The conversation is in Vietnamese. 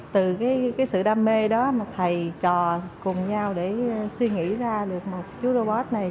từ sự đam mê đó thầy chò cùng nhau để suy nghĩ ra một chú robot này